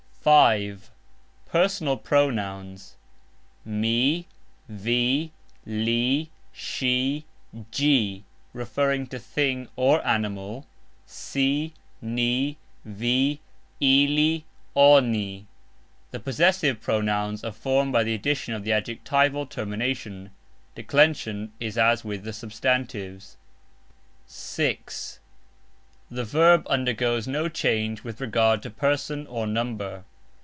(5) Personal PRONOUNS: "mi, vi, li, sxi, gxi" (referring to thing or animal), "si, ni, vi, ili, oni"; the possessive pronouns are formed by the addition of the adjectival termination. Declension is as with the substantives. (6) The VERB undergoes no change with regard to person or number.